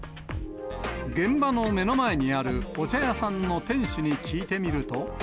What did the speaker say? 現場の目の前にあるお茶屋さんの店主に聞いてみると。